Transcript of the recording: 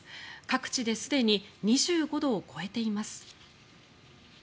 各地ですでに２５度を超えています。